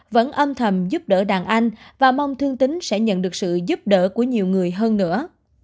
vẫn âm thầm giúp đỡ đàn anh và mong thương tính sẽ nhận được sự giúp đỡ của nhiều người hơn nữa